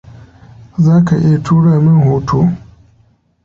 Za ka iya tura min hoto?